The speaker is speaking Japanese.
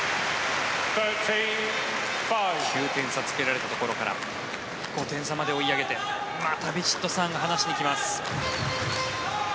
９点差つけられたところから５点差まで追い上げてまたヴィチットサーンが離しに来ます。